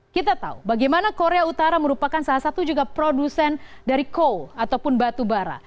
kita tahu bagaimana korea utara merupakan salah satu juga produsen dari co ataupun batu bara